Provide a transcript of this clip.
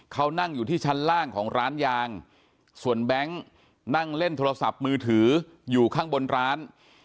เขานั่งอยู่ที่ชั้นล่างของร้านยางส่วนแบงค์นั่งเล่นโทรศัพท์มือถืออยู่ข้างบนร้าน